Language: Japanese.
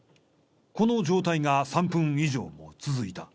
この状態が３分以上も続いた。